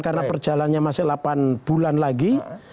karena perjalannya masih delapan bulan lagi